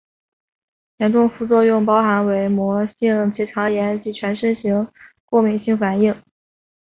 严重副作用包含伪膜性结肠炎及全身型过敏性反应。